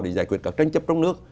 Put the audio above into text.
để giải quyết các tranh chấp trong nước